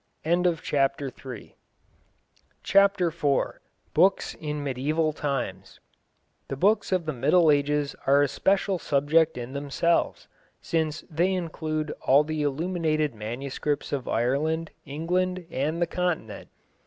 CHAPTER IV BOOKS IN MEDIÆVAL TIMES The books of the Middle Ages are a special subject in themselves, since they include all the illuminated manuscripts of Ireland, England and the Continent.